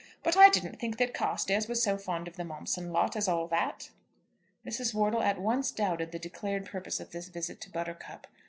"But I didn't think that Carstairs was so fond of the Momson lot as all that." Mrs. Wortle at once doubted the declared purpose of this visit to Buttercup.